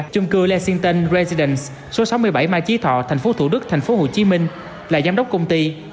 chung cư lexington residence số sáu mươi bảy ma chí thọ tp thủ đức tp hồ chí minh là giám đốc công ty